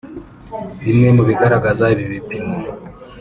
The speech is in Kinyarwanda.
Bimwe mu bigaragaza ibi bipimo